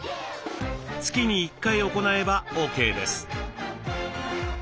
月に１回行えばＯＫです。